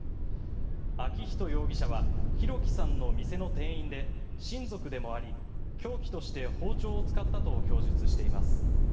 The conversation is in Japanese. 昭仁容疑者は弘輝さんの店の店員で親族でもあり凶器として包丁を使ったと供述しています。